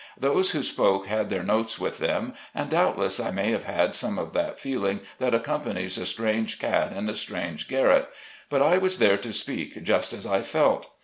Those who spoke had their notes with them. And doubtless I may have had some of that feeling that accompanies a strange cat in a strange garret, but I was there to speak just as I felt.